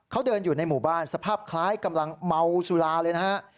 เขาเดินอยู่ในหมู่บ้านสภาพคล้ายกำลังเมาสุราเลยนะฮะ